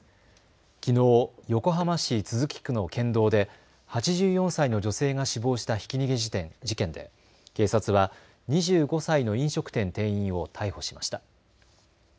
きのう、横浜市都筑区の県道で８４歳の女性が死亡したひき逃げ事件で警察は２５歳の飲食店店員を逮捕しました。